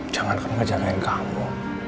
jangan kena jalanin kamu